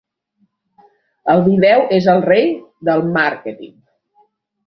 El vídeo és el rei del màrqueting.